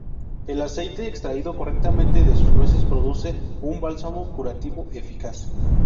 El aceite extraído correctamente de sus nueces produce un bálsamo curativo eficaz.